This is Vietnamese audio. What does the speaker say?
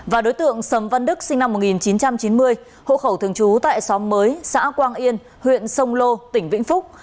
và đối tượng sầm văn đức sinh năm một nghìn chín trăm chín mươi hộ khẩu thường trú tại xóm mới xã quang yên huyện sông lô tỉnh vĩnh phúc